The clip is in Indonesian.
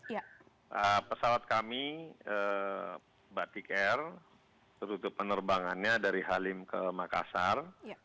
ya pesawat kami batik air tutup penerbangannya dari halim ke makassar